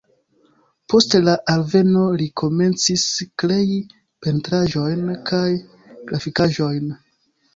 Post la alveno li komencis krei pentraĵojn kaj grafikaĵojn.